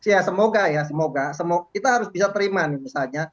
ya semoga ya semoga kita harus bisa terima nih misalnya